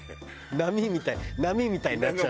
波みたい波みたいになっちゃう。